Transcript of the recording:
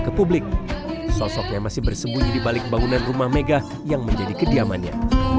ke publik sosoknya masih bersembunyi di balik bangunan rumah mega yang menjadi kediamannya